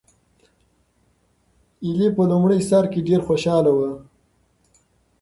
ایلي په لومړي سر کې ډېره خوشحاله وه.